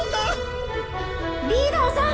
リーダーさん！